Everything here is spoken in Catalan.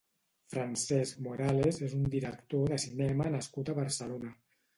Francesc Morales és un director de cinema nascut a Barcelona.